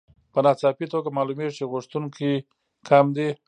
په ناڅاپي توګه معلومېږي چې غوښتونکي کم دي